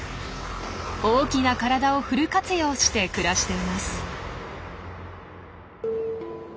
大きな体をフル活用して暮らしています。